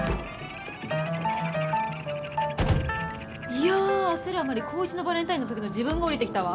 いやあ焦るあまり高１のバレンタインの時の自分が降りてきたわ。